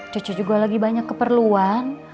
c c juga lagi banyak keperluan